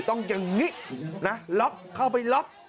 ต้องอย่างงี้นะล็อคเข้าไปล็อค